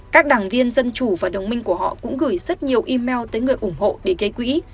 các đảng viên dân chủ và đồng minh của họ cũng gửi rất nhiều email tới người ủng hộ để gây quỹ